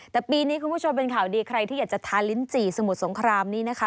แต่ปีนี้คุณผู้ชมเป็นข่าวดีใครที่อยากจะทานลิ้นจี่สมุทรสงครามนี้นะคะ